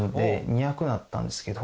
２００だったんですけど。